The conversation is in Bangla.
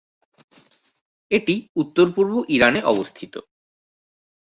এটি উত্তর-পূর্ব ইরানে অবস্থিত।